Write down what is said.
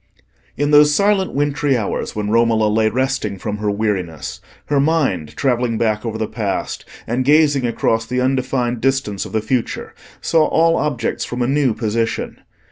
In those silent wintry hours when Romola lay resting from her weariness, her mind, travelling back over the past, and gazing across the undefined distance of the future, saw all objects from a new position.